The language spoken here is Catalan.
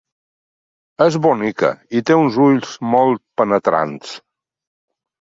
És bonica i té uns ulls molt penetrants.